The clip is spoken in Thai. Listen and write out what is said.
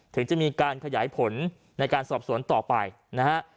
ถึงจะมีการขยายผลในการสอบสวนต่อไปนะฮะ